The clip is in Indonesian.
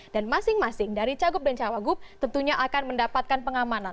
dan masing masing dari cagup dan cawagup tentunya akan mendapatkan pengamanan